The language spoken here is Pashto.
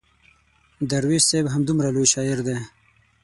درویش صاحب همدومره لوی شاعر دی.